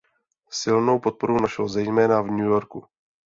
Silnou podporu našel zejména v New Yorku.